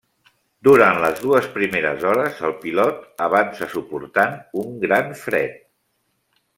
Durant les dues primeres hores el pilot avança suportant un gran fred.